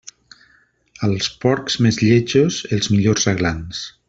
Als porcs més lletjos, els millors aglans.